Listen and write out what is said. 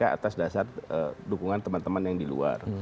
atas dasar dukungan teman teman yang di luar